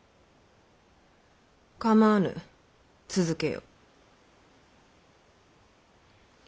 構わぬ続けよ。